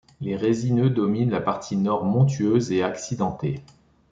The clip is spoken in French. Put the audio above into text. Les résineux dominent la partie nord, montueuse et accidentée.